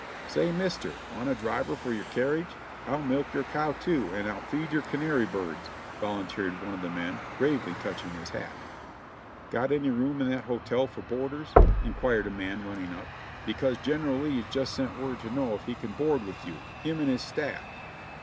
"Say, mister, want a driver for your carriage? I'll milk your cow too and I'll feed your canary birds," volunteered one of the men, gravely touching his hat. "Got any room in that hotel for boarders," inquired a man, run^ ning up, "because General Lee has just sent word to know if he can board with you, him and his staff."